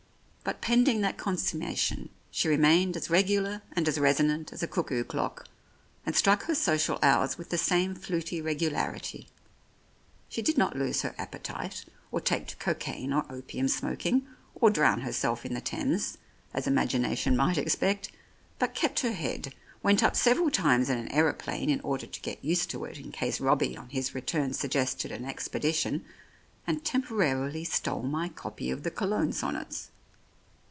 But pending that consummation she remained as regular and as resonant as a cuckoo clock, and struck H 105 The Oriolists her social hours with the same fluty regularity. She did not lose her appetite, or take to cocaine or opium smoking or drown herself in the Thames, as imagina tion might expect, but kept her head, went up several times in an aeroplane in order to get used to it in case Robbie on his return suggested an expedition, and temporarily stole my copy of the Cologne sonnets.